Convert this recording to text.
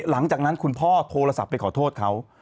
หลังจากนั้นคุณพ่อโทรศัพท์ไปขอโทษเขา